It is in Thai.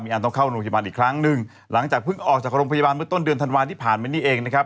อันต้องเข้าโรงพยาบาลอีกครั้งหนึ่งหลังจากเพิ่งออกจากโรงพยาบาลเมื่อต้นเดือนธันวาลที่ผ่านมานี่เองนะครับ